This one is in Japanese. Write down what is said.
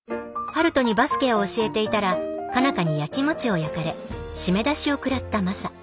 陽斗にバスケを教えていたら佳奈花にやきもちを焼かれ締め出しを食らったマサ。